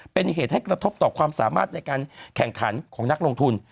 เป็นเหตุให้กระทบต่อความสามารถในการแข่งขันของนักลงทุน